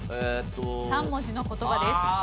３文字の言葉です。